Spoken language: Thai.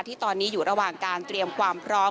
ที่ตอนนี้อยู่ระหว่างการเตรียมความพร้อม